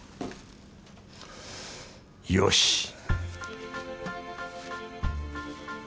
よし！